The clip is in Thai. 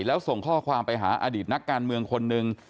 แล้วส่งข้อความไปหาอดีตนักการเมืองคนหนึ่ง